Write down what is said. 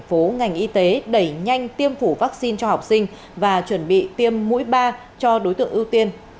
thành phố ngành y tế đẩy nhanh tiêm phủ vaccine cho học sinh và chuẩn bị tiêm mũi ba cho đối tượng ưu tiên